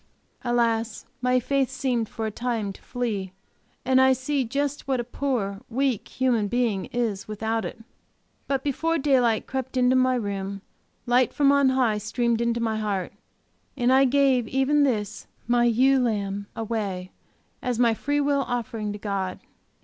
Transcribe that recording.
Alas, my faith seemed, for a time, to flee, and I see just what a poor, weak human being is without it. But before daylight crept into my room light from on high streamed into my heart, and I gave even this, my ewe lamb, away, as my free will offering to God.